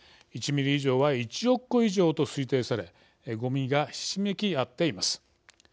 １ｍｍ以上は１億個以上と推定されごみがひしめき合っています。